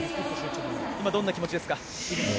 今どんなお気持ちですか。